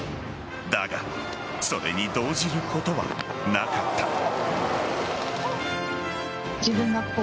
だがそれに動じることはなかった。